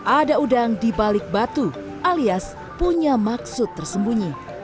ada udang dibalik batu alias punya maksud tersembunyi